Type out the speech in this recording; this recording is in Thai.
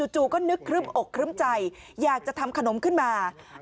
จู่ก็นึกครึ่มอกครึ้มใจอยากจะทำขนมขึ้นมา